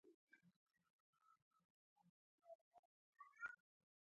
جیورج برنارد شاو وایي دروغجن خپل باور له لاسه ورکوي.